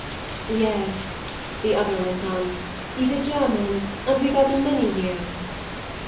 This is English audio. "Yes," the other went on, "he's a German, and we've had him many years."